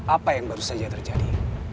apa yang baru saja terjadi